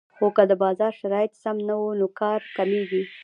خو که د بازار شرایط سم نه وو نو کار کموي